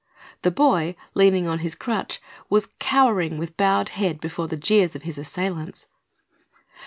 The boy, leaning on his crutch, was cowering with bowed head before the jeers of his assailants.